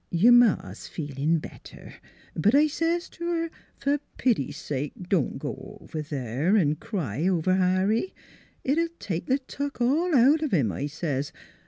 ... Your Ma 's feelin' better. But I says t' her, * Fer pity sake, don't go over there, 'n' cry over Harry. It'd take th' tuck all out of 'im,' I says.